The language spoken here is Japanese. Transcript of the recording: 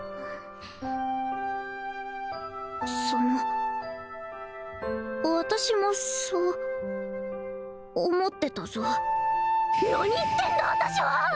その私もそう思ってたぞ何言ってんだ私は！